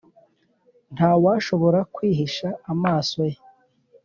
nta washobora kwihisha amaso ye.